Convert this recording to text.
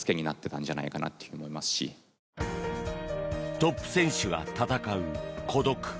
トップ選手が闘う孤独。